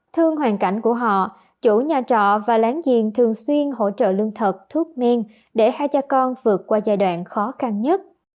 thương hoàn cảnh của họ chủ nhà trọ và láng giềng thường xuyên hỗ trợ lương thực thuốc men để hai cha con vượt qua giai đoạn khó khăn nhất